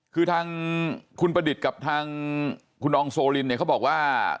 คือทางคุณประดิษฐ์กับทางคุณอองโซลินเนี่ยเขาบอกว่า